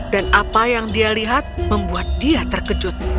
dan apa yang dia lihat membuat dia terkejut